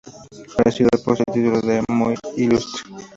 La ciudad posee el título de Muy Ilustre.